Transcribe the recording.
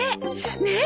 ねえ？